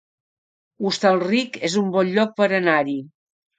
Hostalric es un bon lloc per anar-hi